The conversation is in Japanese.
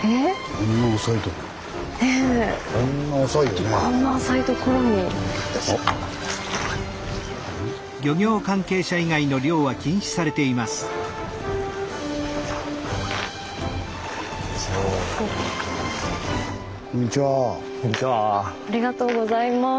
ありがとうございます。